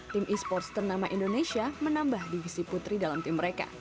tim e sports ternama indonesia menambah divisi putri dalam tim mereka